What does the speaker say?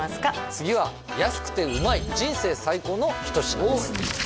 次は安くてうまい人生最高の一品です